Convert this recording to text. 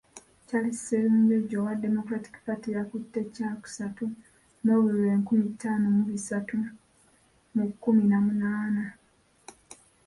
Charles Sserunjogi owa Democratic Party yakutte kyakusatu n'obululu enkumi ttaano mu bisatu mu kkumi na munaana.